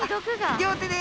両手で。